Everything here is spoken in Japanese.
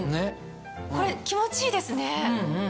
これ気持ちいいですね。